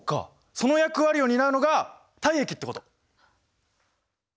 その役割を担うのが体液ってこと？